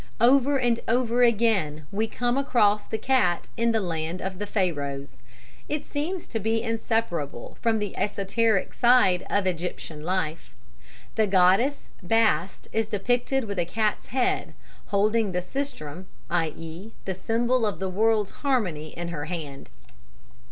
Over and over again we come across the cat in the land of the Pharaohs. It seems to be inseparable from the esoteric side of Egyptian life. The goddess Bast is depicted with a cat's head, holding the sistrum, i.e. the symbol of the world's harmony, in her hand.